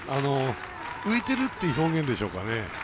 浮いてるっていう表現でしょうかね。